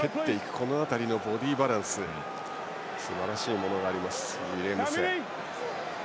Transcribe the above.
この辺りのボディーバランスすばらしいものがありますウィレムセ。